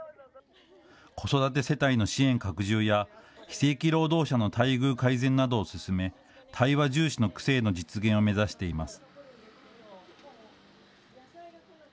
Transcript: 子育て世帯の支援拡充や非正規労働者の待遇改善などを進め、対話重視の区政の実現を目指しています。